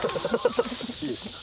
いいですよ。